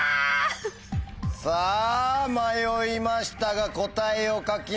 さぁ迷いましたが答えを書きました。